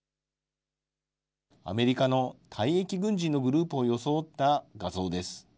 アメリカの退役軍人のグループを装った画像です。